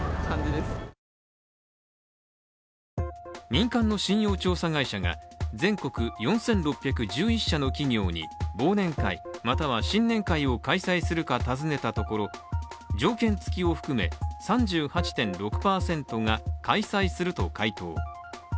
民間の信用調査会社が全国４６１１社の企業に忘年会または新年会を開催するか尋ねたところ条件付きを含め、３８．６％が開催すると回答。